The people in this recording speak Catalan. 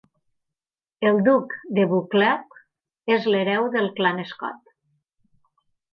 El duc de Buccleuch és l'hereu del clan Scott.